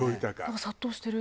今殺到してる。